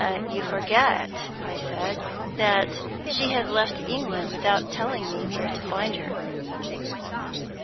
"You forget," I said, "that she has left England without telling me where to find her."